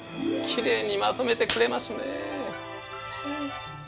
きれいにまとめてくれますね。